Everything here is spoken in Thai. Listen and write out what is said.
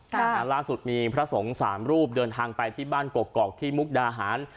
ล่าสุดมีพระสงฆ์สามรูปเดินทางไปที่บ้านกกอกที่มุกดาหาร